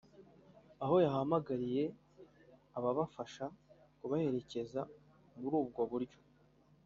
aho yahamagariye ababafasha kubaherekeza muri ubwo buryo